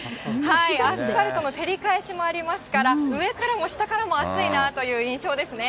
アスファルトの照り返しもありますから、上からも下からも暑いなという印象ですね。